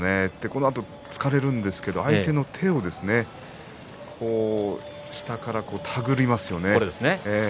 このあと突かれるんですけれども相手の手を下から手繰りましたよね。